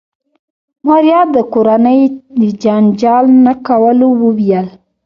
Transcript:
ماريا د کورنۍ د جنجال نه کولو وويل.